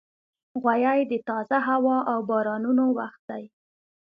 غویی د تازه هوا او بارانونو وخت دی.